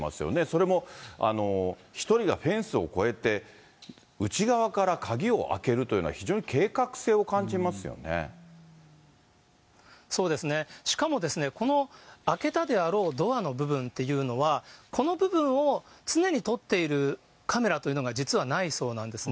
それも１人がフェンスを越えて、内側から鍵を開けるというのは、そうですね、しかもこの開けたであろうドアの部分っていうのは、この部分を常に撮っているカメラというのが実はないそうなんですね。